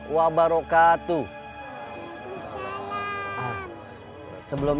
gak apa apa aku gak masalah